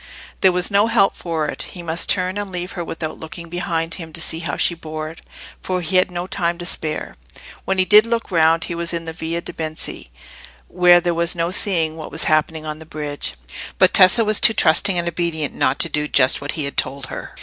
There was no help for it; he must turn and leave her without looking behind him to see how she bore it, for he had no time to spare. When he did look round he was in the Via de' Benci, where there was no seeing what was happening on the bridge; but Tessa was too trusting and obedient not to do just what he had told her.